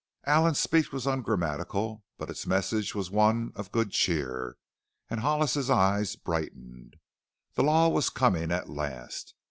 Allen's speech was ungrammatical, but its message was one of good cheer and Hollis's eyes brightened. The Law was coming at last!